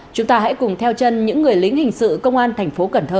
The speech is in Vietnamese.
chúng ta hãy cùng theo chân những người lính hình sự công an tp cần thơ